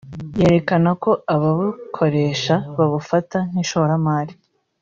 yerekana ko ababukoresha babufata nk’ishoramari